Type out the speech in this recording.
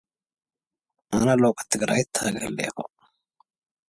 Soon enough, we get another call - they're shooting a video for the song.